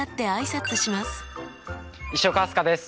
石岡飛鳥です。